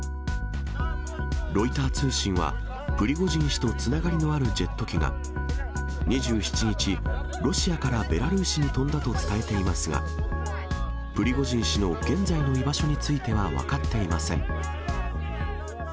ロイター通信は、プリゴジン氏とつながりのあるジェット機が２７日、ロシアからベラルーシに飛んだと伝えていますが、プリゴジン氏の現在の居場所については分かっていません。